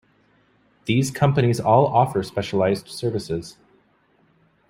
These companies all offer specialised services.